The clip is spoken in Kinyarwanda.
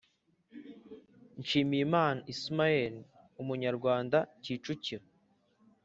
Nshimiyimana ismael umunyarwanda kicukiro